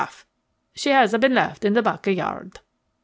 She has been left in the back yard."